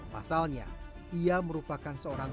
pasalnya ia merupakan seorang